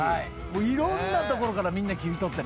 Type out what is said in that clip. いろんなところからみんな切り取って。